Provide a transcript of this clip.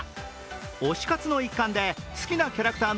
推し活の一環で、好きなキャラクターの